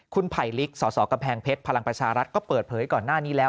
คุณไผลลิกสสกำแพงเพชรพลังประชารัฐก็เปิดเผยก่อนหน้านี้แล้ว